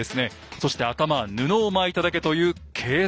そして頭は布を巻いただけという軽装です。